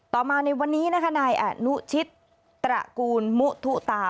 ต่อมาในวันนี้นะคะนายอนุชิตตระกูลมุทุตา